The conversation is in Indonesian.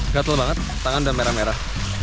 gatel banget tangan udah merah merah